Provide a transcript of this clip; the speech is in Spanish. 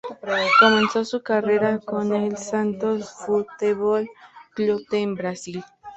Comenzó su carrera con el Santos Futebol Clube en Brasil.